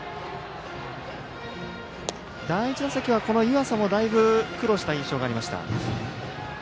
第１打席は湯浅もだいぶ苦労した印象がありました。